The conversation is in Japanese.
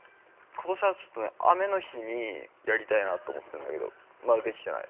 ◆ことしはちょっとね、雨の日にやりたいなと思ってるんだけど、まだできてない。